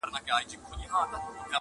• په دې کور کي فقط دا سامان را ووت ..